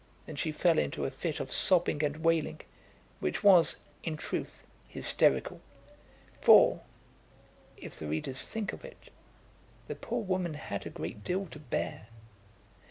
Then she fell into a fit of sobbing and wailing, which was, in truth, hysterical. For, if the readers think of it, the poor woman had a great deal to bear.